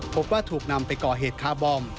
พบว่าถูกนำไปก่อเหตุคาร์บอม